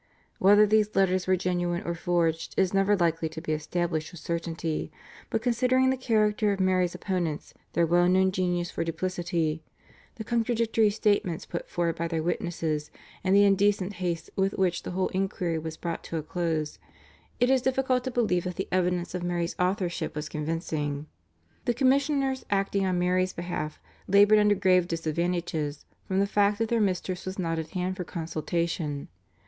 Whether these letters were genuine or forged is never likely to be established with certainty, but considering the character of Mary's opponents, their well known genius for duplicity, the contradictory statements put forward by their witnesses and the indecent haste with which the whole enquiry was brought to a close, it is difficult to believe that the evidence of Mary's authorship was convincing. The commissioners acting on Mary's behalf laboured under grave disadvantages from the fact that their mistress was not at hand for consultation.